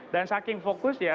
dan saking fokus ya